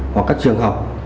hoặc các trường học